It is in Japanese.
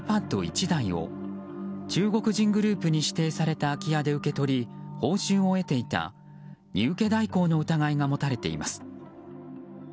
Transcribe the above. １台を中国人グループに指定された空き家で受け取り報酬を得ていた、荷受け代行の疑いが持たれています。